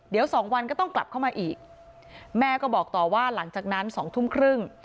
เดี๋ยวสองวันก็ต้องกลับเข้ามาอีกแม่ก็บอกต่อว่าหลังจากนั้นสองทุ่มครึ่ง